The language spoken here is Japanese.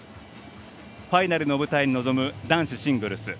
ファイナルの舞台に臨む男子シングルス。